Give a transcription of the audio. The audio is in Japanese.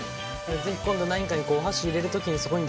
是非今度何かにお箸入れる時にそこに６人の顔を。